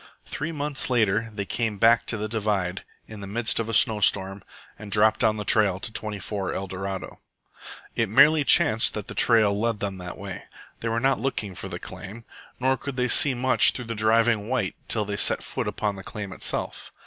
Three months later they came back over the divide in the midst of a snow storm and dropped down the trail to 24 ELDORADO. It merely chanced that the trail led them that way. They were not looking for the claim. Nor could they see much through the driving white till they set foot upon the claim itself.